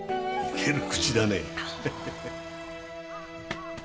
いける口だね。